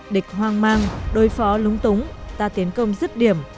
địch hoang mang đối phó lúng túng ta tiến công rứt điểm